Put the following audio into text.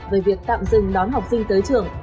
về việc tạm dừng đón học sinh tới trường